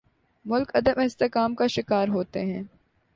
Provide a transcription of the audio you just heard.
ملک عدم استحکام کا شکار ہوتے ہیں۔